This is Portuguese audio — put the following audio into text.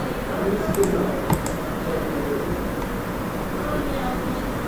Juiz Final Jaqueline